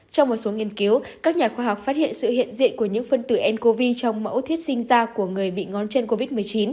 trong một số nghiên cứu các nhà khoa học phát hiện sự hiện diện của những phân tử ncov trong mẫu thiết sinh ra của người bị ngón chân covid một mươi chín